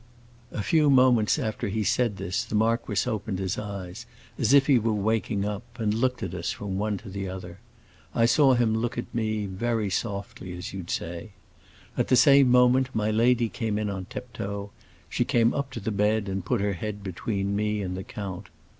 A few moments after he had said this the marquis opened his eyes, as if he were waking up, and looked at us, from one to the other. I saw him look at me very softly, as you'd say. At the same moment my lady came in on tiptoe; she came up to the bed and put in her head between me and the count.